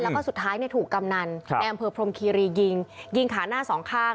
แล้วก็สุดท้ายถูกกำนันในอำเภอพรมคีรียิงยิงขาหน้าสองข้าง